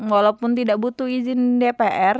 walaupun tidak butuh izin dpr